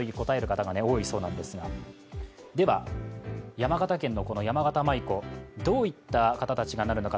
山形県のやまがた舞子、どういった方たちがなるのか。